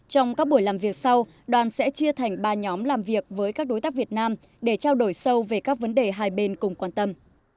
hệ thống sẽ chia thành ba nhóm làm việc với các đối tác việt nam để trao đổi sâu về các vấn đề hai bên cùng quan tâm